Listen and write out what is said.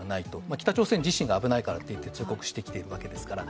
北朝鮮自身が危ないからと通告してきているわけですから。